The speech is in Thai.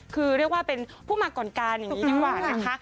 คือเรียกว่าเป็นผู้มาก่อนการอย่างนี้ดีกว่านะคะ